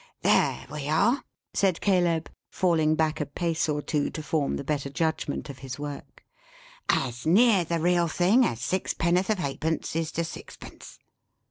"There we are," said Caleb, falling back a pace or two to form the better judgment of his work; "as near the real thing as sixpenn'orth of halfpence is to sixpence.